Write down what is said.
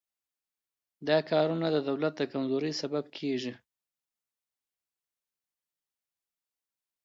دا کارونه د دولت د کمزورۍ سبب کیږي.